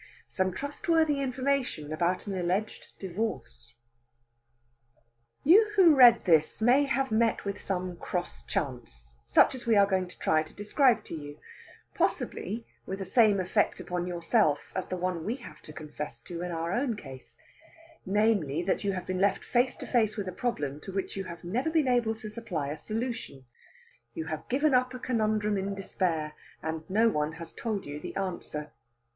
SOME TRUSTWORTHY INFORMATION ABOUT AN ALLEGED DIVORCE You who read this may have met with some cross chance such as we are going to try to describe to you; possibly with the same effect upon yourself as the one we have to confess to in our own case namely, that you have been left face to face with a problem to which you have never been able to supply a solution. You have given up a conundrum in despair, and no one has told you the answer.